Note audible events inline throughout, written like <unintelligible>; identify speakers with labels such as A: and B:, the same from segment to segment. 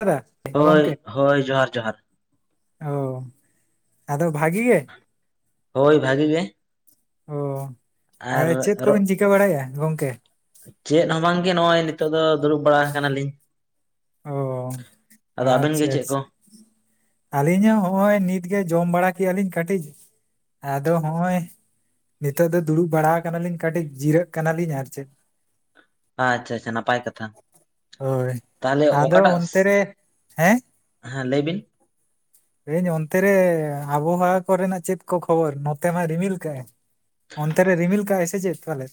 A: ᱫᱟ ᱜᱚᱝᱠᱮ
B: ᱦᱳᱭ ᱦᱳᱭ ᱡᱚᱦᱟᱨ ᱡᱚᱦᱟᱨ
A: ᱚ ᱟᱫᱚ ᱵᱷᱟᱜᱤ ᱜᱮ
B: ᱦᱳᱭ ᱵᱷᱟᱜᱤ ᱜᱮ
A: ᱚ ᱟᱨ ᱪᱮᱫ ᱠᱚᱵᱤᱱ ᱪᱤᱠᱟᱹ ᱵᱟᱲᱟᱭᱮᱫᱟ ᱜᱚᱝᱠᱮ
B: ᱪᱮᱫ ᱦᱚᱸ ᱵᱟᱝᱜᱮ ᱱᱚᱜ ᱚᱭ ᱱᱤᱛᱚᱜ ᱫᱚ ᱫᱩᱲᱩᱵ ᱵᱟᱲᱟ ᱠᱟᱱᱟᱞᱤᱧ
A: ᱚ
B: ᱟᱵᱮᱱ ᱜᱮ
A: ᱟᱼᱪᱷᱟ
B: ᱪᱮᱫ ᱠᱚ
A: ᱟᱼᱪᱷᱟ ᱟᱹᱞᱤᱧ ᱦᱚᱸ ᱦᱚᱜᱼᱚᱭ ᱱᱤᱛᱜᱮ ᱡᱚᱢ ᱵᱟᱲᱟ ᱠᱮᱜᱼᱟ ᱞᱤᱧ ᱠᱟᱹᱴᱤᱡ ᱟᱫᱚ ᱦᱚᱜᱼᱚᱭ ᱱᱤᱛᱳᱜ ᱫᱚ ᱫᱩᱲᱩᱵ ᱵᱟᱲᱟ ᱠᱟᱱᱟᱞᱤᱧ ᱠᱟᱹᱴᱤᱡ ᱡᱤᱨᱟᱹᱜ ᱠᱟᱱᱟᱞᱤᱧ ᱟᱨ ᱪᱮᱫ
B: ᱟᱻᱪᱷᱟ ᱟᱪᱷᱟ ᱱᱟᱯᱟᱭ ᱠᱟᱛᱷᱟ
A: ᱦᱳᱭ
B: ᱛᱟᱦᱞᱮ
A: ᱟᱫᱚ
B: ᱚᱠᱟᱴᱟᱜ
A: ᱚᱱᱛᱮ ᱨᱮ ᱦᱮᱸ
B: ᱦᱮᱸ ᱞᱟᱹᱭ ᱵᱤᱱ
A: ᱞᱟᱹᱭᱟᱧ ᱚᱱᱛᱮᱨᱮ ᱟᱵᱚᱦᱚᱣᱟ ᱠᱚᱨᱮᱱᱟᱜ ᱪᱮᱫ ᱠᱚ ᱠᱷᱚᱵᱚᱨ ᱱᱚᱛᱮ ᱢᱟ ᱨᱤᱢᱤᱞ ᱠᱟᱜᱼᱮ ᱚᱱᱛᱮ ᱨᱮ ᱨᱤᱢᱤᱞ ᱠᱟᱜ ᱟᱭ ᱥᱮ ᱪᱮᱫ ᱯᱟᱞᱮ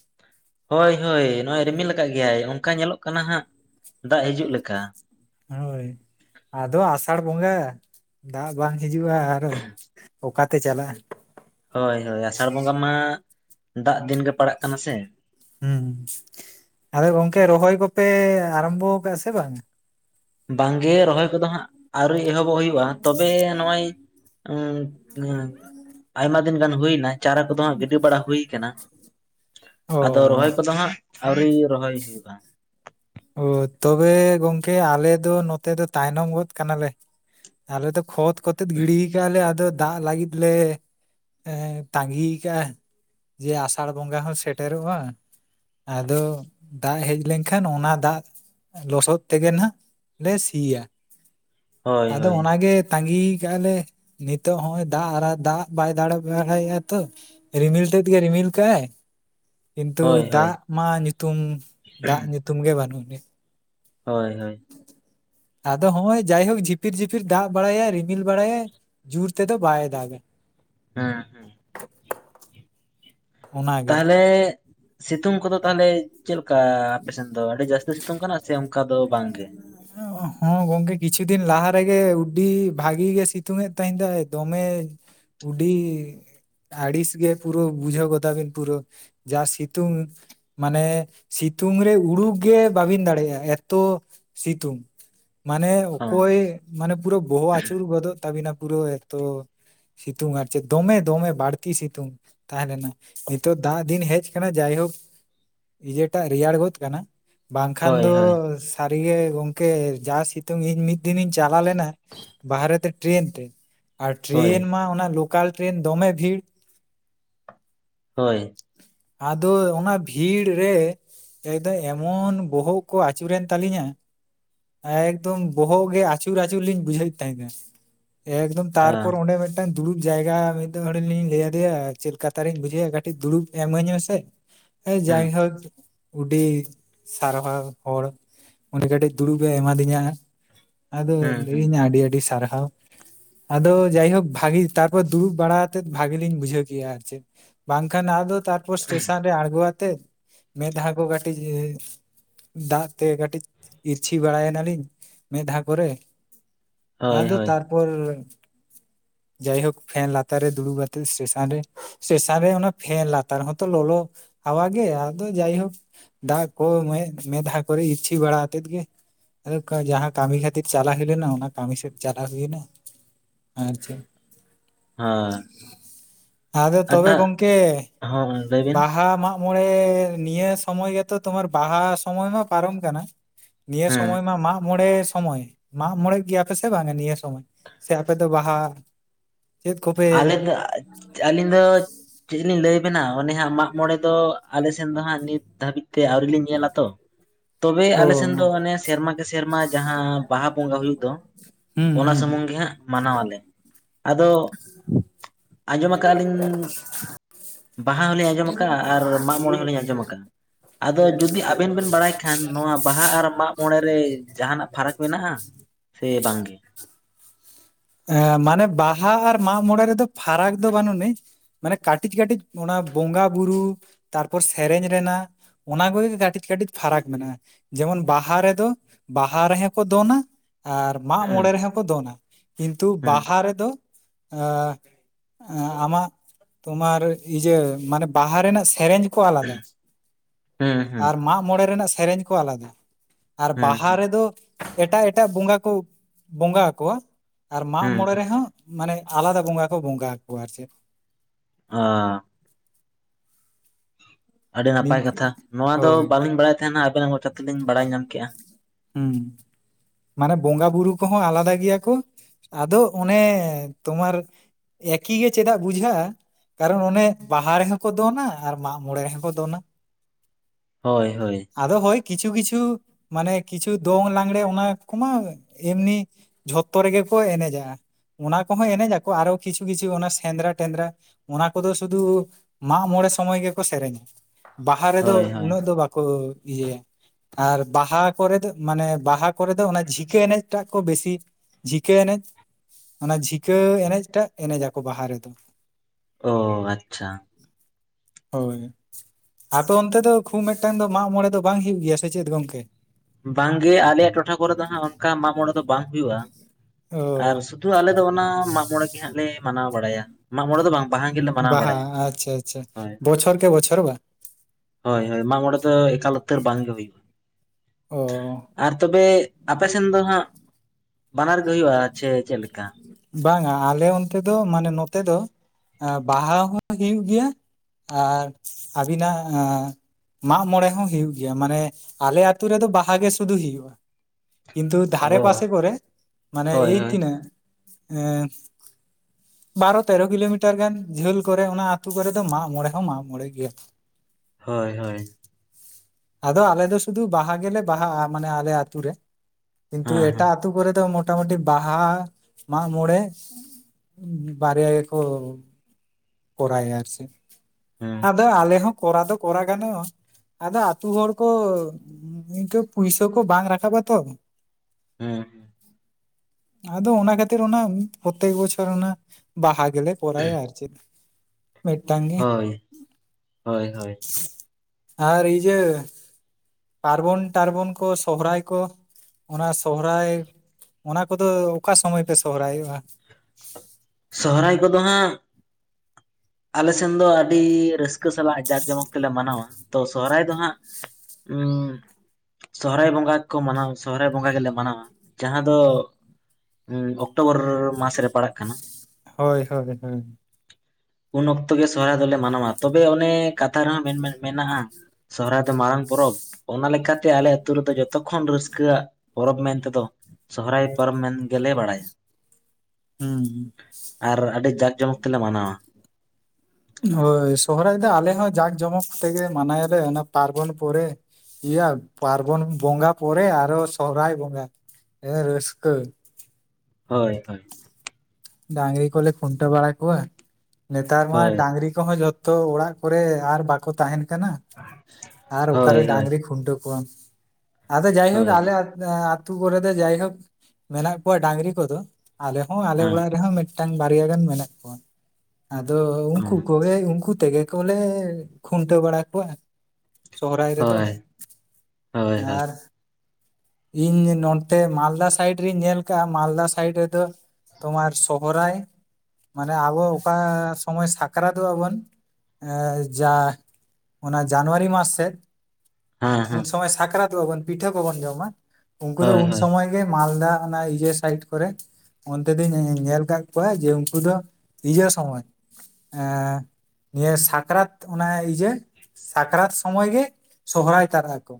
B: ᱦᱳᱭ ᱦᱳᱭ ᱱᱚᱜ ᱚᱭ ᱨᱤᱢᱤᱞ ᱠᱟᱜ ᱜᱮᱭᱟᱭ ᱚᱱᱠᱟ ᱧᱮᱞᱚᱜ ᱠᱟᱱᱟ ᱦᱟᱸᱜ ᱫᱟᱜ ᱦᱤᱡᱩᱜ ᱞᱮᱠᱟ
A: ᱦᱳᱭ ᱟᱫᱚ ᱟᱥᱟᱲ ᱵᱚᱸᱜᱟ ᱫᱟᱜ ᱵᱟᱝ ᱦᱤᱡᱩᱜᱼᱟ ᱟᱨᱚ ᱚᱠᱟᱛᱮ ᱪᱟᱞᱟᱜᱼᱟ
B: ᱦᱳᱭ ᱦᱳᱭ ᱟᱥᱟᱲ ᱵᱚᱸᱜᱟ ᱢᱟ ᱫᱟᱜ ᱫᱤᱱ ᱜᱮ ᱯᱟᱲᱟᱜ ᱠᱟᱱᱟ ᱥᱮ
A: ᱦᱩᱸ ᱟᱫᱚ ᱜᱚᱝᱠᱮ ᱨᱚᱦᱚᱭ ᱠᱚᱯᱮ ᱟᱨᱚᱢᱵᱚ ᱠᱟᱜ ᱥᱮ ᱵᱟᱝ
B: ᱵᱟᱝᱜᱮ ᱨᱚᱦᱚᱭ ᱠᱚᱫᱚ ᱦᱟᱸᱜ ᱟᱹᱣᱨᱤ ᱮᱦᱚᱵᱚᱜ ᱦᱩᱭᱩᱜᱼᱟ ᱛᱚᱵᱮ ᱱᱚᱜᱼᱚᱭ ᱩᱸ ᱮ ᱟᱭᱢᱟ ᱫᱤᱱ ᱜᱟᱱ ᱦᱩᱭᱱᱟ ᱪᱟᱨᱟ ᱠᱚᱫᱚ ᱦᱟᱜ ᱜᱤᱰᱤ ᱵᱟᱲᱟ ᱦᱩᱭ ᱠᱟᱱᱟ
A: ᱚ
B: ᱟᱫᱚ ᱨᱚᱦᱚᱭ ᱠᱚᱫᱚ ᱦᱟᱸᱜ ᱟᱹᱣᱨᱤ ᱨᱚᱦᱚᱭ ᱦᱩᱭᱩᱜᱼᱟ
A: ᱚ ᱛᱚᱵᱮ ᱜᱚᱝᱠᱮ ᱟᱞᱮ ᱫᱚ ᱱᱚᱛᱮ ᱫᱚ ᱛᱟᱭᱱᱚᱢ ᱜᱚᱫᱽ ᱠᱟᱱᱟᱞᱮ ᱟᱞᱮ ᱫᱚ ᱠᱷᱚᱛ ᱠᱚᱛᱮᱫ ᱜᱤᱲᱤ ᱠᱟᱜᱼᱟ ᱞᱮ ᱟᱫᱚ ᱫᱟᱜ ᱞᱟᱹᱜᱤᱫ ᱞᱮ ᱮ ᱛᱟᱸᱜᱤ ᱠᱟᱜᱼᱟ ᱡᱮ ᱟᱥᱟᱲ ᱵᱚᱸᱜᱟ ᱦᱚᱸ ᱥᱮᱴᱮᱨᱚᱜᱼᱟ᱾ ᱟᱫᱚ ᱫᱟᱜ ᱦᱮᱡ ᱞᱮᱱᱠᱷᱟᱱ ᱚᱱᱟ ᱫᱟᱜ ᱞᱚᱥᱚᱫ ᱛᱮᱜᱮ ᱱᱟᱦ ᱞᱮ ᱥᱤᱭᱟ
B: ᱦᱳᱭ
A: ᱟᱫᱚ
B: ᱦᱳᱭ
A: ᱚᱱᱟ ᱜᱮ ᱛᱟᱸᱜᱤ ᱠᱟᱜ‌ ᱟᱞᱮ ᱱᱤᱛᱚᱜ ᱦᱚᱸᱜ ᱚᱭ ᱫᱟᱜ ᱟᱨ ᱫᱟᱜ ᱵᱟᱭ ᱫᱟᱲᱟ ᱵᱟᱲᱟᱭᱮᱫᱼᱟ ᱛᱚ᱾ ᱨᱤᱢᱤᱞ ᱛᱮᱫ ᱜᱮᱭ ᱨᱤᱢᱤᱞ ᱠᱟᱜ ᱟᱭ ᱠᱤᱱᱛᱩ
B: ᱦᱳᱭ
A: ᱫᱟᱜ
B: ᱦᱳᱭ
A: ᱢᱟ ᱧᱩᱛᱩᱢ ᱫᱟᱜ ᱧᱩᱛᱩᱢ ᱜᱮ ᱵᱟᱹᱱᱩᱜ ᱟᱸᱱᱤᱡ᱾
B: ᱦᱳᱭ ᱦᱳᱭ᱾
A: ᱟᱫᱚ ᱦᱚᱸᱜᱼᱚᱭ ᱡᱟᱭᱦᱳᱠ ᱡᱷᱤᱯᱤᱨ ᱡᱷᱤᱯᱤᱨ ᱫᱟᱜ ᱵᱟᱲᱟᱭᱟ ᱨᱤᱢᱤᱞ ᱵᱟᱲᱟᱭᱟ ᱡᱩᱨ ᱛᱮᱫᱚ ᱵᱟᱭ ᱫᱟᱜᱟ᱾
B: ᱦᱮᱸ ᱦᱮᱸ᱾
A: ᱚᱱᱟᱜᱮ
B: ᱛᱟᱦᱚᱞᱮ ᱥᱤᱛᱩᱝ ᱠᱚᱫᱚ ᱛᱟᱦᱚᱞᱮ ᱪᱮᱫ ᱞᱮᱠᱟ ᱟᱯᱮ ᱥᱮᱱ ᱫᱚ ᱟᱹᱰᱤ ᱡᱟᱹᱥᱛᱤ ᱥᱤᱛᱩ ᱠᱟᱱᱟ ᱪᱮ ᱚᱱᱠᱟ ᱫᱚ ᱵᱟᱝ ᱜᱮ
A: ᱦᱚᱸ ᱜᱚᱝᱠᱮ ᱠᱤᱪᱷᱩ ᱫᱤᱱ ᱞᱟᱦᱟ ᱨᱮᱜᱮ ᱩᱹᱰᱤ ᱵᱷᱟᱹᱜᱤ ᱜᱮ ᱥᱤᱛᱩᱝ ᱮᱫ ᱛᱟᱦᱮᱸᱫ ᱫᱚᱭ ᱫᱚᱢᱮ ᱩᱰᱷᱤ ᱟᱲᱤᱥ ᱜᱮ ᱯᱩᱨᱟᱹ ᱵᱩᱡᱷᱟᱹᱣ ᱜᱚᱫᱟ ᱵᱤᱱ ᱯᱩᱨᱟᱹ ᱡᱟ ᱥᱤᱛᱩᱝ ᱢᱟᱱᱮ ᱥᱤᱛᱩᱝ ᱨᱮ ᱩᱲᱩᱠ ᱜᱮ ᱵᱟᱹᱵᱤᱱ ᱫᱟᱲᱮᱭᱟᱜᱼᱟ ᱮᱛ ᱛᱚ ᱥᱤᱛᱩᱝ ᱢᱟᱱᱮ
B: ᱚ
A: ᱚᱠᱚᱭ ᱢᱟᱱᱮ ᱯᱩᱨᱟᱹ ᱵᱚᱦᱚᱜ ᱟᱪᱩᱨ ᱜᱚᱫᱚᱜ ᱛᱟᱵᱤᱱᱟ ᱯᱩᱨᱟᱹ ᱮᱛᱚ ᱥᱤᱛᱩᱝ ᱟᱨ ᱪᱮᱫ ᱫᱚᱢᱮ ᱫᱚᱢᱮ ᱵᱟᱹᱲᱛᱤ ᱥᱤᱛᱩᱝ ᱛᱟᱦᱮ ᱞᱮᱱᱟ ᱱᱤᱛᱚᱜ ᱫᱟᱜ ᱫᱤᱱ ᱦᱮᱡ ᱠᱟᱱᱟ ᱡᱟᱭᱦᱳᱠ ᱤᱭᱟᱹ ᱴᱟᱜ ᱨᱮᱭᱟᱲ ᱜᱚᱫ ᱠᱟᱱᱟ ᱵᱟᱝᱠᱷᱟᱱ
B: ᱦᱳᱭ
A: ᱫᱚ
B: ᱦᱳᱭ
A: ᱥᱟᱹᱨᱤᱜᱮ ᱜᱚᱝᱠᱮ ᱡᱟ ᱥᱤᱛᱩᱝ ᱤᱧ ᱢᱤᱫ ᱫᱤᱱ ᱤᱧ ᱪᱟᱞᱟ ᱞᱮᱱᱟ ᱵᱟᱦᱮᱨᱮ ᱛᱮ ᱴᱮᱨᱮᱱ ᱛᱮ ᱟᱨ
B: ᱦᱳᱭ
A: ᱴᱨᱮᱱ ᱢᱟ ᱚᱱᱟ ᱞᱳᱠᱟᱞ ᱴᱨᱮᱱ ᱫᱚᱢᱮ ᱵᱷᱤᱲ
B: ᱦᱳᱭ᱾
A: ᱟᱫᱚ ᱚᱱᱟ ᱵᱷᱤᱲ ᱨᱮ ᱢᱟᱹᱭᱫᱚ ᱮᱢᱚᱱ ᱵᱚᱦᱚᱜ ᱠᱚ ᱟᱪᱩᱨ ᱮᱱ ᱛᱟᱹᱞᱤᱧᱟ ᱮᱠᱫᱚᱢ ᱵᱚᱦᱚᱜ ᱜᱮ ᱟᱪᱩᱨ ᱟᱪᱩᱨ ᱞᱤᱧ ᱵᱩᱡᱷᱟᱹᱣ ᱮᱫ ᱛᱟᱦᱮᱸᱱᱟ᱾ ᱮᱠᱫᱚᱢ
B: ᱚ
A: ᱛᱟᱨᱯᱚᱨ ᱚᱸᱰᱮ ᱢᱤᱫ ᱴᱮᱱ ᱫᱩᱲᱩᱵ ᱡᱟᱭᱜᱟ ᱢᱤᱫ ᱦᱚᱲᱤᱧ ᱞᱟᱹᱭ ᱟᱫᱮᱭᱟ ᱪᱮᱫ ᱠᱟᱛᱟᱨᱤᱧ ᱵᱩᱡᱷᱟᱹᱜᱮᱼᱟ ᱠᱟᱹᱴᱤᱡ ᱫᱩᱲᱩᱵ ᱮᱢᱟᱹᱧ ᱢᱮᱥᱮ ᱦᱮᱸ
B: ᱦᱩᱸ
A: ᱡᱟᱭᱦᱳᱠ ᱩᱹᱰᱤ ᱥᱟᱨᱦᱟᱣ ᱦᱚᱲ ᱩᱱᱤ ᱠᱟᱹᱴᱤᱡ ᱫᱩᱲᱩᱵ ᱮ ᱮᱢᱟ ᱫᱤᱧᱟ ᱟᱫᱚ
B: ᱦᱩᱸ ᱦᱩᱸ
A: ᱤᱧ ᱟᱰᱤ ᱟᱰᱤ ᱥᱟᱨᱦᱟᱣ᱾ ᱟᱫᱚ ᱡᱟᱭᱦᱳᱠ ᱵᱷᱟᱜᱤ ᱛᱟᱨᱯᱚᱨ ᱫᱩᱲᱩᱵ ᱵᱟᱲᱟ ᱠᱟᱛᱮᱫ ᱵᱷᱟᱜᱤ ᱞᱤᱧ ᱵᱩᱡᱷᱟᱹᱣ ᱠᱮᱜᱼᱟ ᱟᱨ ᱪᱮᱫ᱾ ᱵᱟᱝᱠᱷᱟᱱ ᱟᱫᱚ <unintelligible> ᱛᱟᱨᱯᱚᱨ ᱤᱥᱴᱮᱥᱚᱱ ᱨᱮ ᱟᱬᱜᱚ ᱣᱟᱛᱮᱜ ᱢᱮᱫᱦᱟ ᱠᱚ ᱠᱟᱹᱴᱤᱡ ᱫᱟᱜ ᱛᱮ ᱠᱟᱴᱤᱡ ᱤᱨᱪᱤ ᱵᱟᱲᱟᱭᱮᱱᱟᱞᱤᱧ ᱢᱮᱫᱦᱟ ᱠᱚᱨᱮ
B: ᱦᱳᱭ
A: ᱟᱫᱚ
B: ᱦᱳᱭ
A: ᱛᱟᱨᱯᱚᱨ ᱡᱟᱭᱦᱳᱠ ᱯᱷᱮᱱ ᱞᱟᱛᱟᱨ ᱨᱮ ᱫᱩᱲᱩᱵ ᱟᱛᱮᱜ ᱤᱥᱴᱮᱥᱚᱱ ᱨᱮ ᱤᱥᱴᱮᱥᱚᱱ ᱨᱮ ᱚᱱᱟ ᱯᱷᱮᱱ ᱞᱟᱛᱟᱨ ᱦᱚᱸ ᱛᱚ ᱞᱚᱞᱚ ᱦᱟᱣᱟ ᱜᱮ ᱟᱫᱚ ᱡᱟᱭᱦᱳᱠ᱾ ᱫᱟᱜ ᱠᱚ ᱢᱮᱫ ᱢᱮᱫᱦᱟ ᱠᱚᱨᱮ ᱤᱨᱪᱤ ᱵᱟᱲᱟ ᱛᱮᱫ ᱜᱮ ᱟᱫᱚ ᱡᱟᱦᱟᱸ ᱠᱟᱹᱢᱤ ᱠᱷᱟᱹᱛᱤᱨ ᱪᱟᱞᱟᱣ ᱦᱩᱭ ᱞᱮᱱᱟ ᱚᱱᱟ ᱠᱟᱹᱢᱤ ᱥᱮᱫ ᱪᱟᱞᱟᱣ ᱦᱩᱭᱱᱟ᱾ ᱟᱨ ᱪᱮᱫ᱾
B: ᱦᱟᱸ
A: ᱟᱫᱚ ᱛᱚᱵᱮ ᱜᱚᱝᱠᱮ
B: ᱦᱚᱸ ᱞᱟᱹᱭ ᱵᱤᱱ
A: ᱵᱟᱦᱟ ᱢᱟᱜᱢᱚᱬᱮ ᱱᱤᱭᱟᱹ ᱥᱚᱢᱚᱭ ᱜᱮᱛᱚ ᱛᱳᱢᱟᱨ ᱵᱟᱦᱟ ᱥᱚᱢᱚᱭ ᱢᱟ ᱯᱟᱨᱚᱢ ᱟᱠᱟᱱᱟ᱾ ᱱᱤᱭᱟᱹ
B: ᱦᱮᱸ
A: ᱥᱚᱢᱚᱭ ᱢᱟ ᱢᱟᱜ ᱢᱚᱬᱮ ᱥᱚᱢᱚᱭ᱾ ᱢᱟᱜᱢᱚᱬᱮᱜ ᱜᱮᱭᱟ ᱯᱮ ᱥᱮ ᱵᱟᱝᱟ ᱱᱤᱭᱟᱹ ᱥᱚᱢᱚᱭ? ᱥᱮ ᱟᱯᱮ ᱫᱚ ᱵᱟᱦᱟ ᱪᱮᱫ ᱠᱚᱯᱮ
B: ᱟᱞᱮ ᱫᱚ ᱟᱹᱞᱤᱧ ᱫᱚ ᱪᱮᱫ ᱞᱤᱧ ᱞᱟᱹᱭ ᱟᱵᱤᱱᱟ ᱚᱱᱮ ᱦᱟᱸᱜ ᱢᱟᱜᱢᱚᱬᱮ ᱫᱚ ᱟᱞᱮ ᱥᱮᱱ ᱫᱚ ᱦᱟᱸᱜ ᱱᱤᱛ ᱫᱷᱟᱹᱵᱤᱡ ᱛᱮ ᱟᱹᱣᱨᱤ ᱞᱤᱧ ᱧᱮᱞᱟ ᱛᱚ᱾ ᱛᱚᱵᱮ
A: ᱚ
B: ᱟᱞᱮ ᱥᱮᱱ ᱫᱚ ᱚᱱᱮ ᱥᱮᱨᱢᱟ ᱠᱮ ᱥᱮᱨᱢᱟ ᱡᱟᱦᱟᱸ ᱵᱟᱦᱟ ᱵᱚᱸᱜᱟ ᱦᱩᱭᱩᱜ ᱫᱚ
A: ᱦᱩᱸ
B: ᱚᱱᱟ
A: ᱦᱩᱸ
B: ᱥᱩᱢᱩᱝ ᱜᱮ ᱦᱟᱸᱜ ᱢᱟᱱᱟᱣᱟᱞᱮ ᱟᱫᱚ ᱟᱸᱡᱚᱢ ᱠᱟᱜᱼᱟ ᱞᱤᱧ ᱵᱟᱦᱟ ᱦᱚᱸᱞᱤᱧ ᱟᱸᱡᱚᱢ ᱠᱟᱜᱼᱟ ᱟᱨ ᱢᱟᱜ ᱢᱚᱬᱮ ᱦᱚᱞᱤᱧ ᱟᱸᱡᱚᱢ ᱠᱟᱜᱼᱟ᱾ ᱟᱫᱚ ᱡᱩᱫᱤ ᱟᱵᱮᱱ ᱵᱮᱱ ᱵᱟᱲᱟᱭ ᱠᱷᱟᱱ ᱱᱚᱣᱟ ᱵᱟᱦᱟ ᱟᱨ ᱢᱟᱜ ᱢᱚᱬᱮ ᱨᱮ ᱡᱟᱦᱱᱟᱜ ᱯᱷᱟᱨᱟᱠ ᱢᱮᱱᱟᱜᱼᱟ ᱥᱮ ᱵᱟᱝ ᱜᱮ
A: ᱟ ᱢᱟᱱᱮ ᱵᱟᱦᱟ ᱟᱨ ᱢᱟᱜ ᱢᱚᱬᱮ ᱨᱮᱫᱚ ᱯᱷᱟᱨᱟᱠ ᱫᱚ ᱵᱟᱹᱱᱩᱜ ᱱᱤᱡ ᱢᱟᱱᱮ ᱠᱟᱹᱴᱤᱡ ᱠᱟᱹᱴᱤᱡ ᱚᱱᱟ ᱵᱚᱸᱜᱟ ᱵᱩᱨᱩ ᱛᱟᱨᱯᱚᱨ ᱥᱮᱨᱮᱧ ᱨᱮᱱᱟᱜ ᱚᱱᱟ ᱠᱚᱜᱮ ᱠᱟᱹᱴᱤᱡ ᱠᱟᱹᱴᱤᱡ ᱯᱷᱟᱨᱟᱠ ᱢᱮᱱᱟᱜᱼᱟ ᱡᱮᱢᱚᱱ ᱵᱟᱦᱟ ᱨᱮᱫᱚ ᱵᱟᱦᱟ ᱨᱮᱦᱚᱸ ᱠᱚ ᱫᱚᱱᱟ ᱟᱨ ᱢᱟᱜ ᱢᱚᱬᱮ
B: ᱦᱩᱸ
A: ᱨᱮᱦᱚᱸ ᱠᱚ ᱫᱚᱱᱟ ᱠᱤᱱᱛᱩ
B: ᱦᱩᱸ
A: ᱵᱟᱦᱟ ᱨᱮᱫᱚ ᱟᱸ ᱟᱸ ᱟᱢᱟᱜ ᱛᱳᱢᱟᱨ ᱤᱭᱟᱹ ᱢᱟᱱᱮ ᱵᱟᱦᱟ ᱨᱮᱱᱟᱜ ᱥᱮᱨᱮᱧ ᱠᱚ ᱟᱞᱟᱫᱟ
B: ᱦᱩᱸ ᱦᱩᱸ
A: ᱟᱨ ᱢᱟᱜᱢᱚᱬᱮ ᱨᱮᱱᱟᱜ ᱥᱮᱨᱮᱧ ᱠᱚ ᱟᱞᱟᱫᱟ ᱾ ᱟᱨ
B: ᱦᱩᱸ
A: ᱵᱟᱦᱟ
B: ᱦᱩᱸ
A: ᱨᱮᱫᱚ ᱮᱴᱟᱜ ᱮᱴᱟᱜ ᱵᱚᱸᱜᱟ ᱠᱚ ᱵᱚᱸᱜᱟ ᱟᱠᱚᱣᱟ ᱟᱨ ᱢᱟᱜ
B: ᱦᱩᱸ
A: ᱢᱚᱬᱮ
B: ᱦᱩᱸ
A: ᱨᱮᱦᱚᱸ ᱢᱟᱱᱮ ᱟᱞᱟᱫᱟ ᱵᱚᱸᱜᱟ ᱠᱚ ᱵᱚᱸᱜᱟ ᱟᱠᱚᱣᱟ ᱟᱨ ᱪᱮᱫ
B: ᱟᱸ ᱟᱹᱰᱤ ᱱᱟᱯᱟᱭ
A: ᱱᱤᱝᱠᱟᱹ
B: ᱠᱟᱛᱷᱟ ᱱᱚᱣᱟ ᱫᱚ
A: ᱦᱳᱭ
B: ᱵᱟᱞᱤᱧ ᱵᱟᱲᱟᱭ ᱛᱟᱦᱮᱱᱟ ᱟᱵᱮᱱ ᱜᱚᱴᱟ ᱛᱮᱞᱤᱧ ᱵᱟᱲᱟᱭ ᱧᱟᱢ ᱠᱮᱼᱟ
A: ᱦᱩᱸ ᱢᱟᱱᱮ ᱵᱚᱸᱜᱟ ᱵᱩᱨᱩ ᱠᱚᱦᱚᱸ ᱟᱞᱟᱫᱟ ᱜᱮᱭᱟ ᱠᱚ ᱟᱫᱚ ᱚᱱᱮ ᱛᱳᱢᱟᱨ ᱮᱠᱤ ᱜᱮ ᱪᱮᱫᱟᱜ ᱵᱩᱡᱷᱟᱹᱜᱼᱟ ᱠᱟᱨᱚᱱ ᱚᱱᱮ ᱵᱟᱦᱟ ᱨᱮᱦᱚᱸ ᱠᱚ ᱫᱚᱱᱟ ᱟᱨ ᱢᱟᱜ ᱢᱚᱬᱮ ᱨᱮᱦᱚᱸ ᱠᱚ ᱫᱚᱱᱟ
B: ᱦᱳᱭ ᱦᱳᱭ
A: ᱟᱫᱚ ᱦᱳᱭ ᱠᱤᱪᱷᱩ ᱠᱤᱪᱷᱩ ᱢᱟᱱᱮ ᱠᱤᱪᱷᱩ ᱫᱚᱝ ᱞᱟᱜᱽᱲᱮ ᱚᱱᱟ ᱠᱚᱢᱟ ᱮᱢᱱᱤ ᱡᱚᱛᱚ ᱨᱮᱜᱮ ᱠᱚ ᱮᱱᱮᱡᱟ ᱚᱱᱟ ᱠᱚᱦᱚᱸ ᱮᱱᱮᱡ ᱟᱠᱚ ᱟᱨᱚ ᱠᱤᱪᱷᱩ ᱠᱤᱪᱷᱩ ᱚᱱᱟ ᱥᱮᱸᱫᱽᱨᱟ ᱴᱮᱸᱫᱽᱨᱟ ᱚᱱᱟ ᱠᱚᱫᱚ ᱥᱩᱫᱩ ᱢᱟᱜᱢᱚᱬᱮ ᱥᱚᱢᱚᱭ ᱜᱮᱠᱚ ᱥᱮᱨᱮᱧᱟ ᱾ ᱵᱟᱦᱟ ᱨᱮᱫᱚ
B: ᱦᱳᱭ ᱦᱳᱭ
A: ᱩᱱᱟᱹᱜ ᱫᱚ ᱵᱟᱠᱚ ᱤᱭᱟᱹᱭᱟᱼᱼ ᱟᱨ ᱵᱟᱦᱟ ᱠᱚᱨᱮ ᱫᱚ, ᱢᱟᱱᱮ ᱵᱟᱦᱟ ᱠᱚᱨᱮ ᱫᱚ ᱚᱱᱟ ᱡᱷᱤᱠᱟᱹ ᱮᱱᱮᱡ ᱴᱟᱜ ᱠᱚ ᱵᱮᱥᱤᱼᱼ ᱡᱷᱤᱠᱟᱹ ᱮᱱᱮᱡ, ᱚᱱᱟ ᱡᱷᱤᱠᱟᱹ ᱮᱱᱮᱡᱴᱟᱜ ᱮᱱᱮᱡᱟᱠᱚ ᱵᱟᱦᱟ ᱨᱮᱫᱚ᱾
B: ᱚ ᱟᱪᱪᱷᱟ ᱾
A: ᱦᱳᱭ, ᱟᱫᱚ ᱚᱱᱛᱮ ᱫᱚ ᱠᱷᱩᱵᱽ ᱢᱤᱫᱴᱟᱹᱝ ᱫᱚ ᱢᱟᱜ ᱢᱚᱬᱮ ᱫᱚ ᱵᱟᱝ ᱦᱩᱭᱩᱜᱭ ᱜᱮᱭᱟ ᱥᱮ ᱪᱮᱫ ᱜᱚᱝᱠᱮ?
B: ᱵᱟᱝᱜᱮ, ᱟᱞᱮᱭᱟᱜ ᱴᱚᱴᱷᱟ ᱠᱚᱨᱮ ᱫᱚ ᱦᱟᱸᱜ ᱚᱱᱠᱟ ᱢᱟᱜ ᱢᱚᱬᱮ ᱫᱚ ᱵᱟᱝ ᱦᱩᱭᱩᱜᱼᱟ ᱾ ᱟᱨᱼᱼ
A: ᱚ
B: ᱥᱤᱱᱩ <unintelligible> ᱟᱞᱮ ᱫᱚ ᱚᱱᱟ ᱢᱟᱜ ᱢᱚᱬᱮ ᱜᱮ ᱦᱟᱸᱜ ᱞᱮ ᱢᱟᱱᱟᱣ ᱵᱟᱲᱟᱭᱟ ᱾ ᱢᱟᱜ ᱢᱚᱬᱮ ᱫᱚ ᱵᱟᱝ, ᱵᱟᱦᱟᱼᱼ
A: ᱵᱟᱦᱟ, ᱟᱪᱪᱷᱟ ᱟᱪᱪᱷᱟ ᱵᱚᱪᱷᱚᱨ ᱠᱮ ᱵᱚᱪᱚᱨ ᱵᱟ᱾
B: ᱦᱳᱭ ᱦᱳᱭ, ᱢᱟᱜ ᱢᱚᱬᱮ ᱫᱚ ᱮᱠᱟᱞ ᱩᱛᱟᱹᱨ ᱵᱟᱝ ᱜᱮ ᱦᱩᱭᱩᱜᱼᱟ ᱾
A: ᱚ
B: ᱟᱨ ᱛᱚᱵᱮ, ᱟᱯᱮᱥᱮᱱ ᱫᱚ ᱦᱟᱸᱜ ᱵᱟᱱᱟᱨ ᱜᱮ ᱦᱩᱭᱩᱜᱼᱟ ᱥᱮ ᱪᱮᱫ ᱞᱮᱠᱟ?
A: ᱵᱟᱝᱟ ᱟᱞᱮ ᱚᱱᱛᱮ ᱫᱚ ᱢᱟᱱᱮ ᱱᱚᱛᱮ ᱫᱚ ᱵᱟᱦᱟ ᱦᱚᱸ ᱦᱩᱭᱩᱜ ᱜᱮᱭᱟ ᱾ ᱟ ᱟᱹᱵᱤᱱᱟᱜ ᱟᱼᱼ ᱢᱟᱜ ᱢᱚᱬᱮ ᱦᱚᱸ ᱦᱩᱭᱩᱜ ᱜᱮᱭᱟ, ᱢᱟᱱᱮ ᱟᱞᱮ ᱟᱛᱩ ᱨᱮᱫᱚ ᱵᱟᱦᱟ ᱜᱮ ᱥᱩᱫᱷᱩ ᱦᱩᱭᱩᱜᱼᱟ ᱾ ᱠᱤᱱᱛᱩ
B: ᱚ
A: ᱫᱷᱟᱨᱮ ᱯᱟᱥᱮ ᱠᱚᱨᱮ, ᱢᱟᱱᱮ ᱮ
B: ᱦᱳᱭ ᱦᱳᱭ
A: ᱛᱤᱱᱮ <unintelligible> ᱟᱼᱼ ᱵᱟᱨᱚ ᱛᱮᱨᱚ ᱠᱤᱞᱳᱢᱤᱴᱟᱨ ᱜᱟᱱ ᱡᱷᱟᱹᱞ ᱠᱚᱨᱮ ᱚᱱᱟ ᱟᱹᱛᱩ ᱠᱚᱨᱮ ᱫᱚ ᱢᱟᱜ ᱢᱚᱬᱮ ᱦᱚᱸ ᱢᱟᱜ ᱢᱚᱬᱮᱜ ᱜᱮᱭᱟ ᱾ <unintelligible>
B: ᱦᱳᱭ ᱦᱳᱭ ᱾
A: ᱟᱫᱚ ᱟᱞᱮ ᱫᱚ ᱥᱩᱫᱩ ᱵᱟᱦᱟ ᱜᱮᱞᱮ ᱵᱟᱦᱟᱜᱼᱟ, ᱢᱟᱱᱮ ᱟᱞᱮ ᱟᱛᱩ ᱨᱮ ᱾ ᱠᱤᱱᱛᱩ
B: ᱦᱮᱸ ᱦᱮᱸ
A: ᱮᱴᱟᱜ ᱟᱹᱛᱩ ᱠᱚᱨᱮ ᱫᱚ ᱢᱳᱴᱟᱢᱩᱴᱤ ᱵᱟᱦᱟᱼᱼ ᱢᱟᱜ ᱢᱚᱬᱮ ᱵᱟᱨᱭᱟ ᱜᱮ ᱠᱚᱼᱼ ᱠᱚᱨᱟᱭ ᱟᱨᱥ <unintelligible> ᱤ
B: ᱦᱮᱸ
A: ᱟᱫᱚ ᱟᱞᱮ ᱦᱚᱸ ᱠᱚᱨᱟᱣ ᱫᱚ ᱠᱚᱨᱟᱣ ᱜᱟᱱᱚᱜᱻᱟ, ᱟᱫᱚ ᱟᱹᱛᱩ ᱦᱚᱲ ᱠᱚᱼᱼ ᱠᱤᱱᱛᱩ ᱯᱩᱭᱥᱟᱹ ᱠᱚ ᱵᱟᱝ ᱨᱟᱠᱟᱵᱼᱟ ᱛᱚ᱾
B: ᱦᱮᱸ
A: ᱟᱫᱚ ᱚᱱᱟ ᱠᱷᱟᱹᱛᱤᱨ ᱚᱱᱟ ᱯᱨᱚᱛᱛᱮᱠ ᱵᱚᱪᱷᱚᱨ ᱚᱱᱟ ᱵᱟᱦᱟ ᱜᱮᱞᱮ ᱠᱚᱨᱟᱭᱟ ᱟᱨ ᱪᱮᱫ ᱾ ᱢᱤᱫᱴᱟᱝ ᱜᱮ
B: ᱦᱳᱭ ᱦᱳᱭ ᱦᱳᱭ
A: ᱟᱨ ᱤᱭᱟᱹ, ᱯᱟᱨᱵᱚᱱ ᱴᱟᱨᱵᱚᱱ ᱠᱚ ᱥᱚᱦᱨᱟᱭ ᱠᱚ ᱾ ᱚᱱᱟ ᱥᱚᱦᱨᱟᱭ, ᱚᱱᱟ ᱠᱚᱫᱚ ᱚᱠᱟ ᱥᱚᱢᱚᱭ ᱯᱮ ᱥᱚᱦᱨᱟᱭᱚᱜᱼᱟ?
B: ᱥᱚᱦᱨᱟᱭ ᱠᱚᱫᱚ ᱦᱟᱸᱜ, ᱟᱞᱮ ᱥᱮᱱ ᱫᱚ ᱟᱹᱰᱤ ᱨᱟᱹᱥᱼᱼ ᱨᱟᱹᱥᱠᱟᱹ ᱥᱟᱞᱟᱜ ᱡᱟᱠ ᱡᱚᱢᱚᱠ ᱛᱮᱞᱮ ᱢᱟᱱᱟᱣᱟ, ᱛᱚ ᱥᱚᱨᱦᱟᱭ ᱫᱚ ᱦᱟᱸᱜ ᱩᱸᱼᱼ ᱥᱚᱦᱨᱟᱭ ᱵᱚᱸᱜᱟ ᱠᱚ ᱢᱟᱱᱟᱣᱟ, ᱥᱚᱦᱨᱟᱭ ᱵᱚᱸᱜᱟ ᱜᱮᱞᱮ ᱢᱟᱱᱟᱣᱟ ᱡᱟᱦᱟᱸ ᱫᱚ, <unintelligible> ᱚᱠᱴᱳᱵᱚᱨ ᱢᱟᱥ ᱨᱮ ᱯᱟᱲᱟᱜ ᱠᱟᱱᱟ ᱾
A: ᱦᱳᱭ ᱦᱳᱭ ᱦᱳᱭ ᱾
B: ᱩᱱ ᱚᱠᱛᱚ ᱜᱮ ᱥᱚᱨᱦᱟᱭ ᱫᱚᱞᱮ ᱢᱟᱱᱟᱣᱟ, ᱛᱚᱵᱮ ᱚᱱᱮ ᱠᱟᱛᱷᱟ ᱨᱮᱦᱚᱸ ᱢᱮ ᱢᱮᱱᱟᱜᱼᱟᱼᱼ ᱥᱚᱦᱨᱟᱭ ᱫᱚ ᱢᱟᱨᱟᱝ ᱯᱚᱨᱚᱵᱽ ᱾ ᱚᱱᱟ ᱞᱮᱠᱟᱛᱮ ᱟᱞᱮ ᱟᱹᱛᱩ ᱨᱮᱫᱚ ᱡᱚᱛᱚᱠᱷᱚᱱ ᱨᱟᱹᱥᱠᱟᱹᱼᱟᱜ ᱯᱚᱨᱚᱵᱽ ᱢᱮᱱ ᱛᱮᱫᱚ, ᱥᱚᱦᱚᱨᱟᱭ ᱯᱚᱨᱚᱵᱽ ᱢᱮᱱ ᱜᱮᱞᱮ ᱵᱟᱲᱟᱭ ᱾
A: ᱦᱩᱸ
B: ᱟᱨ ᱟᱹᱰᱤ ᱡᱟᱸᱠ ᱡᱚᱢᱚᱠ ᱛᱮᱞᱮ ᱢᱟᱱᱟᱣᱟ ᱾
A: ᱦᱳᱭ ᱥᱚᱦᱨᱟᱭ ᱫᱚ ᱟᱞᱮ ᱦᱚᱸ ᱡᱟᱸᱠ ᱡᱚᱢᱚᱠᱛᱮ ᱢᱟᱱᱟᱭᱟᱞᱮ ᱚᱱᱟ ᱯᱟᱨᱵᱚᱱ ᱯᱚᱨᱮ ᱾ ᱼᱼᱭᱟ ᱯᱟᱨᱵᱚᱱ ᱵᱚᱸᱜᱟ ᱯᱚᱨᱮ ᱟᱨ ᱥᱚᱨᱦᱟᱭ ᱵᱚᱸᱜᱟ ᱦ <unintelligible> ᱨᱟᱹᱥᱠᱟᱹ
B: ᱦᱳᱭ ᱦᱳᱭ
A: ᱰᱟᱝᱨᱤ ᱠᱚᱞᱮ ᱠᱷᱩᱱᱴᱟᱹᱣ ᱵᱟᱲᱟ ᱠᱚᱣᱟ, ᱱᱮᱛᱟᱨ ᱢᱟ
B: ᱦᱳᱭ
A: ᱰᱟᱝᱨᱤ ᱠᱚᱦᱚᱸ ᱡᱚᱛᱼᱼ ᱛᱚ ᱚᱲᱟᱜ ᱠᱚᱨᱮ ᱟᱨ ᱵᱟᱠᱚ ᱛᱟᱸᱦᱮᱱ ᱠᱟᱱᱟ ᱾ ᱟᱨ
B: ᱦᱳᱭ
A: ᱚᱠᱟᱨᱮ
B: ᱦᱳᱭ
A: ᱰᱟᱝᱨᱤ ᱠᱷᱩᱱᱴᱟᱹᱣ ᱠᱚᱣᱟᱢ, ᱟᱫᱚ ᱡᱟᱭᱦᱳᱠ
B: ᱦᱳᱭ
A: ᱟᱞᱮᱼᱼ ᱟᱹᱛᱩ ᱠᱚᱨᱮ ᱫᱚ ᱡᱟᱭᱦᱳᱠ ᱢᱮᱱᱟᱜ ᱠᱚᱣᱟ ᱰᱟᱝᱨᱤ ᱠᱚᱫᱚ, ᱟᱞᱮ ᱦᱚᱸ ᱟᱞᱮ
B: ᱦᱮᱸ
A: ᱚᱲᱟᱜᱼᱼ ᱨᱮᱸᱦᱚ ᱢᱤᱫᱴᱟᱝ ᱵᱟᱨᱭᱟ ᱜᱟᱱ ᱢᱮᱱᱟᱜ ᱠᱚᱣᱟ, ᱟᱫᱚ ᱩᱱᱠᱩ ᱠᱚᱜᱮ ᱩᱱᱠᱩ ᱛᱮᱜᱮᱼᱼ ᱠᱚᱞᱮ ᱠᱷᱩᱱᱴᱟᱹᱣ ᱵᱟᱲᱟ ᱠᱚᱣᱟ, ᱥᱚᱦᱨᱟᱭ ᱨᱮᱫᱚ ᱾
B: ᱦᱳᱭ ᱦᱳᱭ ᱼ ᱦᱳᱭ
A: ᱤᱧ ᱱᱚᱱᱛᱮ ᱢᱟᱞᱫᱟ ᱥᱟᱭᱤᱰ ᱨᱤᱧ ᱧᱮᱞ ᱠᱟᱠ ᱢᱟᱞᱫᱟ ᱥᱟᱭᱤᱰ ᱨᱮᱫᱚ ᱛᱳᱢᱟᱨ ᱥᱚᱦᱚᱨᱟᱭ ᱢᱟᱱᱮ ᱟᱵᱚ ᱚᱠᱟ ᱥᱚᱢᱚᱭ ᱥᱟᱠᱨᱟᱛᱚᱜ ᱟᱵᱚᱱ ᱮ ᱡᱟ ᱚᱱᱟ ᱡᱟᱱᱩᱣᱟᱨᱤ ᱢᱟᱥ ᱥᱮᱫ᱾
B: ᱦᱮᱸ
A: ᱩᱱ
B: ᱦᱮᱸ
A: ᱥᱚᱢᱚᱭ ᱥᱟᱠᱨᱟᱛ ᱟᱵᱚᱱ ᱯᱤᱴᱷᱟᱹ ᱠᱚᱵᱚᱱ ᱡᱚᱢᱟ ᱾ ᱩᱱᱠᱩ ᱫᱚ
B: ᱦᱳᱭ
A: ᱩᱱ
B: ᱦᱳᱭ
A: ᱥᱚᱢᱚᱭ ᱢᱟᱞᱫᱟ ᱚᱱᱟ ᱤᱭᱟᱹ ᱥᱟᱭᱤᱰ ᱠᱚᱨᱮ ᱚᱱᱛᱮ ᱫᱚᱧᱼᱼᱼ ᱧᱮᱞ ᱠᱟᱠ ᱠᱚᱣᱟ ᱡᱮ ᱩᱱᱠᱩ ᱫᱚ ᱵᱤᱡᱚᱭ ᱥᱚᱢᱚᱭ ᱮᱸᱻ ᱱᱤᱭᱟᱹ ᱥᱟᱠᱨᱟᱛ ᱚᱱᱟ ᱤᱭᱟᱹ ᱥᱟᱠᱨᱟᱛ ᱥᱚᱢᱚᱭ ᱜᱮ ᱥᱚᱦᱨᱟᱭ ᱛᱚᱨᱟᱜ ᱟᱠᱚ᱾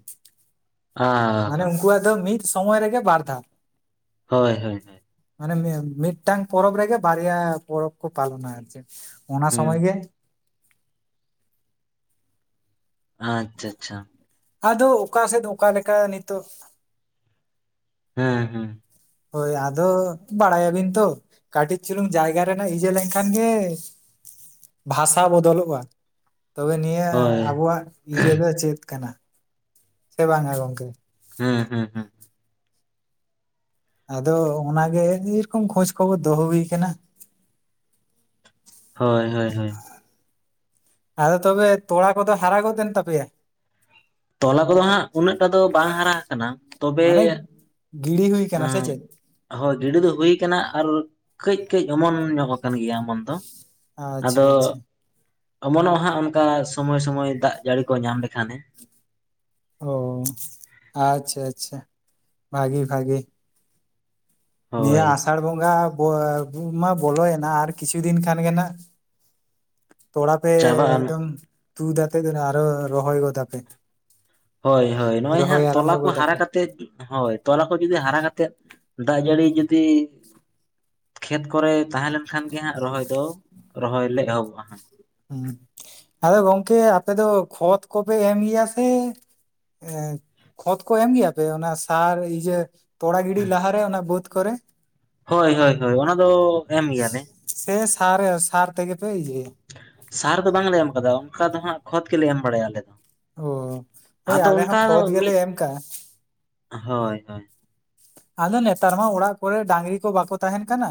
A: ᱢᱟᱱᱮ ᱩᱱᱠᱩᱣᱟᱼᱜ ᱫᱚ ᱢᱤᱫ ᱥᱚᱢᱚᱭ ᱨᱮᱜᱮ ᱵᱟᱨ ᱫᱷᱟᱣ
B: ᱦᱳᱭ ᱼ ᱦᱳᱭ
A: ᱢᱟᱱᱮ ᱢᱤᱫᱴᱟᱝ ᱯᱚᱨᱚᱵᱽ ᱨᱮᱜᱮ ᱵᱟᱨᱭᱟ ᱯᱚᱨᱚᱵᱽ ᱠᱚ ᱯᱟᱞᱚᱱᱟ᱾ ᱟᱨ ᱪᱮᱫ ᱚᱱᱟ ᱥᱚᱢᱚᱭ ᱜᱮ
B: ᱦᱩᱸ ᱟᱪᱷᱟ - ᱟᱪᱪᱷᱟ
A: ᱟᱫᱚ ᱚᱠᱟ ᱥᱮᱫ ᱚᱠᱟ ᱞᱮᱠᱟ ᱱᱤᱛᱚᱜ
B: ᱦᱩᱸ - ᱦᱩᱸ
A: ᱦᱳᱭ ᱟᱫᱚ ᱵᱟᱲᱟᱭᱟᱵᱤᱱ ᱛᱚ ᱠᱟᱹᱴᱤᱡ ᱪᱩᱞᱩᱝ ᱡᱟᱭᱜᱟ ᱨᱮᱱᱟᱜ ᱤᱭᱟᱹ ᱞᱮᱱᱠᱷᱟᱱ ᱜᱮ! ᱵᱷᱟᱥᱟ ᱵᱚᱫᱚᱞᱚᱜᱼᱟ᱾ ᱛᱚᱵᱮ ᱱᱤᱭᱟᱹ
B: ᱦᱳᱭ
A: ᱟᱵᱚᱣᱟᱜ ᱤᱭᱟᱹ ᱫᱚ ᱪᱮᱫ ᱠᱟᱱᱟ᱾ ᱥᱮ ᱵᱟᱝ ᱦᱸ ᱜᱚᱝᱠᱮ?
B: ᱦᱩᱸ - ᱦᱩᱸ - ᱦᱩᱸ
A: ᱟᱫᱚ ᱚᱱᱟᱜᱮ ᱮ ᱨᱚᱠᱚᱢ ᱠᱷᱚᱡᱽ, ᱠᱷᱚᱵᱚᱨ, ᱫᱚᱦᱚ ᱦᱩᱭ ᱠᱟᱱᱟ᱾
B: ᱦᱳᱭ ᱻ ᱦᱳᱭ ᱻ ᱦᱳᱭ
A: ᱟᱫᱚ ᱛᱚᱵᱮ ᱛᱚᱲᱟ ᱠᱚᱫᱚ ᱦᱟᱨᱟ ᱜᱚᱫ ᱮᱱ ᱛᱟᱯᱮᱭᱟ?
B: ᱛᱚᱞᱟ ᱠᱚᱫᱚ ᱦᱟᱸᱜ ᱩᱱᱟᱹᱜ ᱴᱟ ᱫᱚ ᱵᱟᱝ ᱦᱟᱨᱟ ᱟᱠᱟᱱᱟ᱾ ᱛᱚᱵᱮ
A: ᱢᱟᱱᱮ ᱜᱤᱲᱤ ᱦᱩᱭ ᱠᱟᱱᱟ ᱥᱮ ᱪᱮᱫ?
B: ᱦᱳᱭ ᱜᱤᱰᱤ ᱫᱚ ᱦᱩᱭ ᱠᱟᱱᱟ ᱟᱨ ᱠᱟᱹᱡ ᱠᱟᱹᱡ ᱚᱢᱚᱱ ᱧᱚᱜ ᱟᱠᱟᱱ ᱜᱮᱭᱟ ᱚᱢᱚᱱ ᱫᱚ
A: ᱟᱪᱪᱷᱟ
B: ᱟᱫᱚ
A: ᱟᱪᱪᱷᱟ
B: ᱚᱢᱚᱱᱚᱜᱼᱟ ᱦᱟᱸᱜ ᱚᱱᱠᱟ ᱥᱚᱢᱚᱭ ᱥᱚᱢᱚᱭ ᱫᱟᱜ ᱡᱟᱹᱲᱤ ᱠᱚ ᱧᱟᱢ ᱞᱮᱠᱷᱟᱱ ᱮ
A: ᱚ ᱟᱪᱪᱷᱟ ᱼ ᱟᱪᱪᱷᱟ, ᱵᱷᱟᱜᱮ ᱼ ᱵᱷᱟᱜᱮ ᱱᱤᱭᱟᱹ
B: ᱦᱳᱭ
A: ᱟᱸᱥᱟᱲ ᱵᱚᱸᱜᱟ ᱢᱟ ᱵᱚᱞᱚᱭ ᱮᱱᱟ ᱟᱨ ᱠᱤᱪᱷᱩ ᱫᱤᱱ ᱠᱷᱟᱱ ᱜᱮ ᱱᱟᱸᱦᱜ᱾ ᱛᱚᱲᱟ ᱯᱮ
B: ᱪᱟᱵᱟᱜᱼᱟ
A: ᱮᱠᱫᱚᱢ ᱛᱩᱫᱟ ᱟᱛᱮ ᱜᱮ ᱱᱟᱸᱦᱜ ᱟᱨᱚ ᱨᱚᱦᱚᱭ ᱜᱚᱫᱟ ᱯᱮ᱾
B: ᱦᱳᱭ ᱼ ᱦᱳᱭ ᱱᱚᱸᱜᱼᱚᱭ ᱦᱟᱸᱜ ᱛᱚᱞᱟ ᱠᱚ ᱦᱟᱨᱟ
A: ᱜᱚᱫᱟᱯᱮ
B: ᱠᱟᱛᱮᱜᱼᱼᱼ ᱦᱳᱭ ᱛᱚᱞᱟ ᱠᱚ ᱡᱩᱫᱤ ᱦᱟᱨᱟ ᱠᱟᱛᱮᱫ ᱫᱟᱜ ᱡᱟᱹᱲᱤ ᱡᱩᱫᱤᱼᱼᱼ ᱠᱷᱮᱛ ᱠᱚᱨᱮ ᱛᱟᱦᱮᱸ ᱞᱮᱱ ᱠᱷᱟᱱ ᱜᱮ ᱦᱟᱸᱜ ᱨᱚᱦᱚᱭ ᱫᱚ ᱨᱚᱦᱚᱭ ᱞᱮ ᱮᱦᱚᱵᱼᱟ᱾ ᱦᱟᱸᱜ
A: ᱜᱚᱝᱠᱮ ᱟᱯᱮ ᱫᱚ ᱠᱷᱚᱛ ᱠᱚᱯᱮ ᱮᱢ ᱜᱮᱭᱟ ᱥᱮ ᱮ ᱠᱷᱚᱛ ᱠᱚ ᱮᱢ ᱜᱮᱭᱟ ᱯᱮ ᱚᱱᱟ ᱥᱟᱨ ᱤᱭᱟᱹ ᱛᱚᱲᱟ ᱜᱤᱰᱤ ᱞᱟᱦᱟ ᱨᱮ ᱚᱱᱟ ᱵᱟᱹᱛ ᱠᱚᱨᱮ?
B: ᱦᱳᱭ ᱼ ᱦᱳᱭ ᱼ ᱦᱳᱭ ᱚᱱᱟ ᱫᱚ ᱮᱢ ᱜᱮᱭᱟᱞᱮ᱾
A: ᱥᱮ ᱥᱟᱨ ᱥᱟᱨ ᱛᱮᱜᱮ ᱯᱮ ᱤᱭᱟᱹᱭ ᱟ᱾
B: ᱥᱟᱨ ᱫᱚ ᱵᱟᱝ ᱞᱮ ᱮᱢ ᱠᱟᱫᱟ ᱚᱱᱠᱟ ᱫᱚ ᱦᱟᱸᱜ ᱠᱷᱚᱛ ᱜᱮᱞᱮ ᱮᱢ ᱵᱟᱲᱟᱭᱟ᱾ ᱟᱞᱮ ᱫᱚ᱾
A: ᱚ ᱦᱳᱭ
B: ᱟᱫᱚ
A: ᱟᱞᱮ ᱦᱚᱸ
B: ᱚᱱᱠᱟ
A: ᱠᱷᱚᱛ ᱜᱮᱞᱮ
B: ᱢᱤᱫ
A: ᱮᱢ ᱠᱟᱜᱼᱟ
B: ᱦᱳᱭ ᱼ ᱦᱳᱭ
A: ᱟᱫᱚ ᱱᱮᱛᱟᱨ ᱢᱟ ᱚᱲᱟᱜ ᱠᱚᱨᱮᱜ ᱰᱟᱝᱨᱤ ᱠᱚ ᱵᱟᱠᱚ ᱛᱟᱦᱮᱱ ᱠᱟᱱᱟ᱾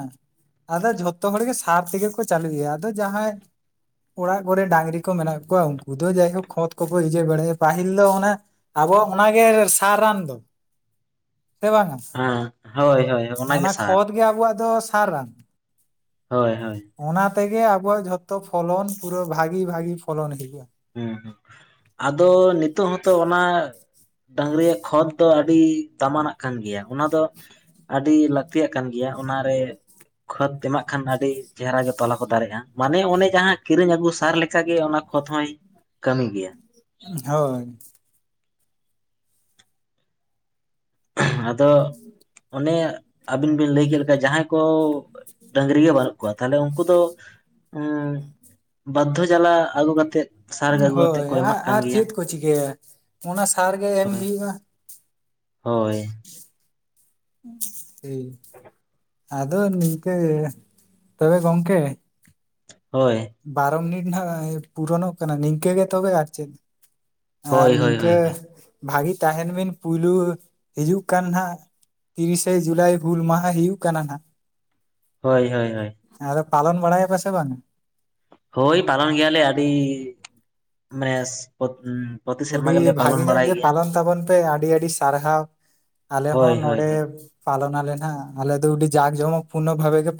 A: ᱟᱫᱚ ᱡᱷᱚᱛᱚ ᱦᱚᱲ ᱜᱮ ᱥᱟᱨ ᱛᱮᱜᱮ ᱠᱚ ᱪᱟᱹᱞᱩᱼᱭᱟ᱾ ᱟᱫᱚ ᱡᱟᱦᱟᱸᱭ ᱚᱲᱟᱜ ᱠᱚᱨᱮ ᱰᱟᱝᱨᱤ ᱠᱚ ᱢᱮᱱᱟᱜ ᱠᱚᱣᱟ ᱩᱱᱠᱩ ᱫᱚ ᱡᱟᱭᱦᱳᱠ ᱠᱷᱚᱛ ᱠᱚᱼᱠᱚ ᱤᱭᱟᱹ ᱵᱟᱲᱟᱭᱼᱟ ᱾ᱯᱟᱹᱦᱤᱞ ᱫᱚ ᱚᱱᱟ ᱟᱵᱚᱣᱟᱼᱜ ᱚᱱᱟ ᱜᱮ ᱥᱟᱨ ᱨᱟᱱ ᱫᱚ᱾ ᱥᱮ ᱵᱟᱝᱟ᱾
B: ᱦᱮᱸ ᱦᱳᱭ ᱦᱳᱭ ᱚᱱᱟᱜᱮ
A: ᱚᱱᱟ
B: ᱥᱟᱨ
A: ᱠᱷᱚᱛ ᱜᱮ ᱟᱵᱚᱣᱟᱼᱜ ᱫᱚ ᱥᱟᱨ ᱨᱟᱱ
B: ᱦᱳᱭ ᱼ ᱦᱳᱭ
A: ᱚᱱᱟ ᱛᱮᱜᱮ ᱟᱵᱚᱣᱟᱼᱜ ᱡᱷᱚᱛᱚ ᱯᱷᱚᱞᱚᱱ ᱯᱩᱨᱟᱹ ᱵᱷᱟᱜᱤ ᱼ ᱵᱷᱟᱜᱤ ᱯᱷᱚᱞᱚᱱ ᱦᱩᱭᱩᱼᱟ᱾
B: ᱦᱩᱸ ᱼ ᱦᱩᱸ ᱟᱫᱚ ᱱᱤᱛᱚᱜ ᱦᱚᱸᱛᱚ ᱚᱱᱟᱼᱼ ᱰᱟᱹᱝᱨᱤᱭᱟᱜ ᱠᱷᱚᱛ ᱫᱚ ᱟᱹᱰᱤ ᱫᱟᱢ ᱟᱱᱟᱜ ᱠᱟᱱ ᱜᱮᱭᱟ ᱾ ᱚᱱᱟ ᱫᱚ ᱟᱹᱰᱤ ᱞᱟᱹᱠᱛᱤᱭᱟᱜ ᱠᱟᱱ ᱜᱮᱭᱟ ᱚᱱᱟ ᱨᱮ ᱠᱷᱚᱛ ᱮᱢᱟᱜ ᱠᱷᱟᱱ ᱟᱹᱰᱤ ᱪᱮᱦᱨᱟ ᱜᱮ ᱛᱚᱞᱟ ᱠᱚ ᱫᱟᱨᱮᱜᱼᱟ ᱾ ᱢᱟᱱᱮ ᱚᱱᱮ ᱡᱟᱦᱟᱸ ᱠᱤᱨᱤᱧ ᱟᱹᱜᱩ ᱥᱟᱨ ᱞᱮᱠᱟ ᱜᱮ ᱚᱱᱟ ᱠᱷᱚᱛ ᱦᱚᱸᱭ ᱠᱟᱹᱢᱤ ᱜᱮᱭᱟ ᱾
A: ᱦᱳᱭ ᱾
B: ᱛᱚ ᱚᱱᱮ ᱟᱹᱵᱤᱱ ᱵᱤᱱ ᱞᱟᱹᱭ ᱠᱮᱫ ᱞᱮᱠᱟ ᱡᱟᱦᱟᱸᱭ ᱠᱚ ᱰᱟᱹᱝᱨᱤ ᱜᱮ ᱵᱟᱹᱱᱩᱜ ᱠᱚᱣᱟ ᱛᱟᱦᱞᱮ ᱩᱱᱠᱩ ᱫᱚ ᱩᱸ ᱵᱟᱫᱽᱫᱷᱚ ᱡᱟᱞᱟ ᱟᱹᱜᱩ ᱠᱟᱛᱮᱫ ᱾
A: ᱦᱳᱭ ᱟᱨ ᱟᱨ ᱪᱮᱫ ᱠᱚ ᱪᱤᱠᱟᱹᱭᱟ ᱚᱱᱟ ᱥᱟᱨ ᱜᱮ ᱮᱢ
B: ᱦᱳᱭ
A: ᱦᱩᱭᱩᱜᱼᱟ ᱾
B: ᱦᱳᱭ ᱾
A: ᱦᱩᱸ ᱟᱫᱚ ᱱᱤᱝᱠᱟᱹ, ᱛᱚᱵᱮ ᱜᱚᱝᱠᱮ
B: ᱦᱳᱭ ᱾
A: ᱵᱟᱨᱚ ᱢᱤᱱᱤᱴ ᱱᱟᱸᱜ ᱯᱩᱨᱚᱱᱼᱚᱜ ᱠᱟᱱᱟ, ᱱᱤᱝᱠᱟᱹ ᱜᱮ ᱛᱚᱵᱮ ᱟᱨ ᱪᱮᱫ ᱾ ᱟᱨ
B: ᱦᱳᱭ ᱦᱳᱭ
A: ᱱᱤᱝᱠᱟᱹ
B: ᱦᱳᱭ ᱦᱳᱭ
A: ᱵᱷᱟᱹᱜᱤ ᱛᱟᱦᱮᱱ ᱵᱤᱱ ᱯᱩᱭᱞᱳ ᱦᱤᱡᱩᱜ ᱠᱟᱱ ᱱᱟᱸᱜ ᱛᱤᱨᱤᱥᱮ ᱡᱩᱞᱟᱭ ᱦᱩᱞ ᱢᱟᱦᱟ ᱦᱩᱭᱩᱜ ᱠᱟᱱᱟ ᱱᱟᱸᱜ ᱾
B: ᱦᱳᱭ ᱦᱳᱭ ᱦᱳᱭ ᱾
A: ᱟᱫᱚ ᱯᱟᱞᱚᱱ ᱵᱟᱲᱟᱭ ᱟᱠᱚ ᱥᱮ ᱵᱟᱝᱟ ᱻ
B: ᱦᱳᱭ ᱯᱟᱞᱚᱱ ᱜᱮᱭᱟ ᱞᱮ ᱟᱹᱰᱤ, ᱢᱟᱱᱮ ᱯᱨᱚᱛᱤ ᱥᱮᱨᱢᱟ
A: ᱩᱰᱤ
B: ᱜᱮᱞᱮ
A: ᱵᱷᱟᱹᱜᱤ
B: ᱯᱟᱞᱚᱱ
A: ᱧᱚᱸᱜ
B: ᱵᱟᱲᱟᱭ
A: ᱜᱮ
B: ᱜᱮᱭᱟ
A: ᱯᱟᱞᱚᱱ ᱛᱟᱵᱚᱱ ᱯᱮ ᱟᱹᱰᱤ ᱟᱹᱰᱤ ᱥᱟᱨᱦᱟᱣ ᱾ ᱟᱞᱮ
B: ᱦᱳᱭ
A: ᱦᱚᱸ
B: ᱦᱳᱭ
A: ᱱᱚᱰᱮ
B: ᱦᱳᱭ
A: ᱯᱟᱞᱚᱱ ᱟᱞᱮ ᱱᱟᱸᱜ ᱟᱞᱮ ᱩᱰᱤ ᱡᱟᱸᱠ ᱡᱚᱢᱚᱠ ᱯᱩᱨᱱᱚ ᱵᱷᱟᱵᱮ ᱜᱮ